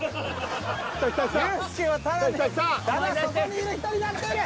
ユースケはただそこにいる人になっている。